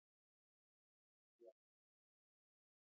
وګړي د افغانستان د طبیعي پدیدو یو رنګ دی.